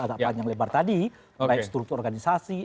agak panjang lebar tadi baik struktur organisasi